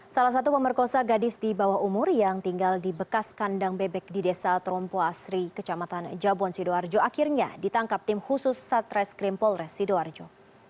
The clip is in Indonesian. salah satu pemerkosa gadis di bawah umur yang tinggal di bekas kandang bebek di desa trompo asri kecamatan jabon sidoarjo akhirnya ditangkap tim khusus satreskrim polres sidoarjo